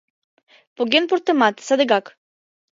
Поген пуртемат, садыгак